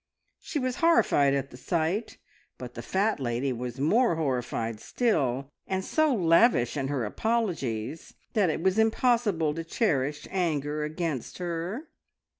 She was horrified at the sight, but the fat lady was more horrified still, and so lavish in her apologies that it was impossible to cherish anger against her.